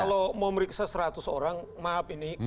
kalau mau meriksa seratus orang maaf ini